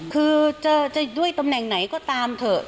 คือจะด้วยตำแหน่งไหนก็ตามเถอะ